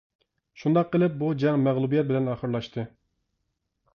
شۇنداق قىلىپ بۇ جەڭ مەغلۇبىيەت بىلەن ئاخىرلاشتى.